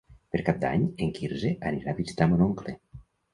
Per Cap d'Any en Quirze anirà a visitar mon oncle.